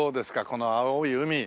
この青い海。